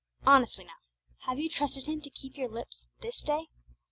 Honestly, now, have you trusted Him to keep your lips _this day?